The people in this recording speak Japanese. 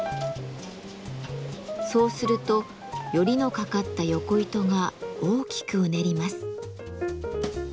そうするとヨリのかかったヨコ糸が大きくうねります。